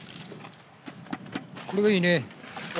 これがいいね